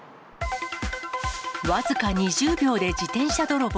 僅か２０秒で自転車泥棒。